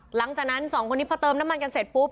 หลังจากนั้นสองคนนี้พอเติมน้ำมันกันเสร็จปุ๊บ